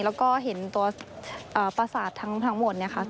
แล้วก็เห็นตัวประสาททั้งหมดเนี่ยค่ะ